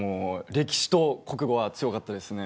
歴史と国語は強かったですね。